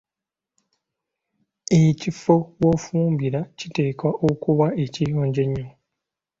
Ekifo w‘ofumbira kiteekwa okuba ekiyonjo ennyo.